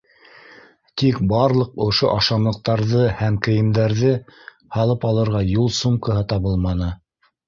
Тик барлыҡ ошо ашамлыҡтарҙы һәм кейемдәрҙе һалып алырға юл сумкаһы табылманы.